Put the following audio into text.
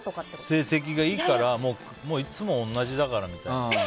成績がいいからいつも同じだからみたいな。